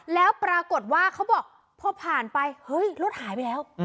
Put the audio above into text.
แล้วปรากฏว่าเขาบอกพอผ่านไปเฮ้ยรถหายไปแล้ว